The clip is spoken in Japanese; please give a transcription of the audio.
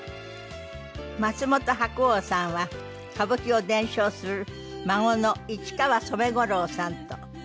松本白鸚さんは歌舞伎を伝承する孫の市川染五郎さんと。